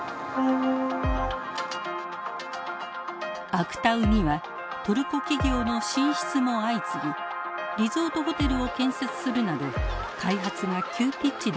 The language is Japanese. アクタウにはトルコ企業の進出も相次ぎリゾートホテルを建設するなど開発が急ピッチで進められています。